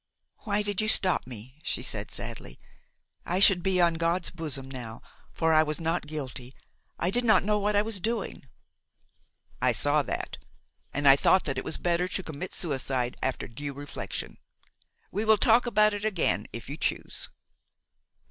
"Why did you stop me?" she said sadly; "I should be on God's bosom now, for I was not guilty, I did not know what I was doing." "I saw that, and I thought that it was better to commit suicide after due reflection. We will talk about it again if you choose."